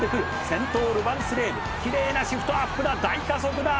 「先頭ルヴァンスレーヴ奇麗なシフトアップだ大加速だ」